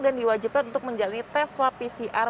diwajibkan untuk menjalani tes swab pcr